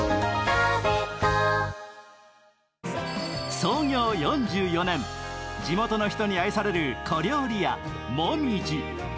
創業４４年、地元の人に愛される小料理屋もみぢ。